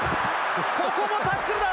ここもタックルだ！